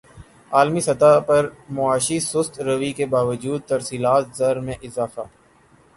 عالمی سطح پر معاشی سست روی کے باوجود ترسیلات زر میں اضافہ